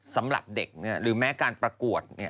สำหรับเด็กหรือแม้การประกวดเนี่ย